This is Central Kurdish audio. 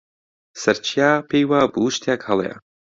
سەرچیا پێی وا بوو شتێک هەڵەیە.